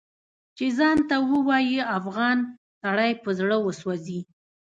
چې ځان ته ووايي افغان سړی په زړه وسوځي